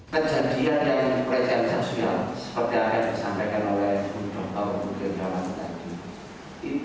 kejadian yang pelacian seksual seperti yang saya sampaikan oleh